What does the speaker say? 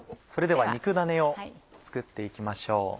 それでは肉ダネを作って行きましょう。